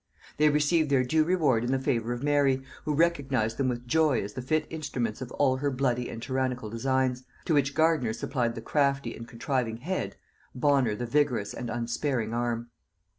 They received their due reward in the favor of Mary, who recognised them with joy as the fit instruments of all her bloody and tyrannical designs, to which Gardiner supplied the crafty and contriving head, Bonner the vigorous and unsparing arm.